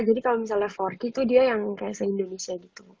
jadi kalau misalnya forky tuh dia yang kayak se indonesia gitu